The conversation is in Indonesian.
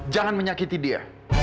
jangan menyakiti dia